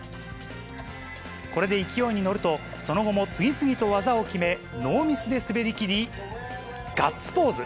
これで勢いに乗ると、その後も次々と技を決め、ノーミスで滑りきり、ガッツポーズ。